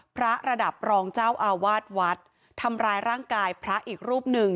พระระดับรองเจ้าอาวาสวัดทำร้ายร่างกายพระอีกรูปหนึ่ง